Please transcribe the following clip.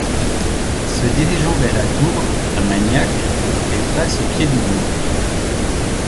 Se dirigeant vers la Touvre à Magnac, elle passe au pied du bourg.